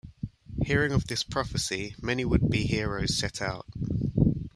Hearing of this prophecy, many would-be heroes set out.